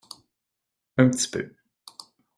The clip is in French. Un petit peu.